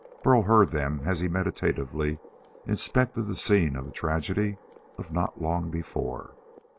Burl heard them as he meditatively inspected the scene of a tragedy of not long before.